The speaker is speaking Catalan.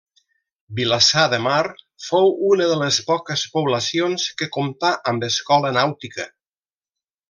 Vilassar de Mar fou una de les poques poblacions que comptà amb Escola Nàutica.